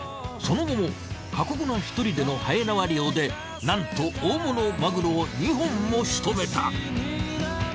その後も過酷な１人でのはえ縄漁でなんと大物マグロを２本もしとめた。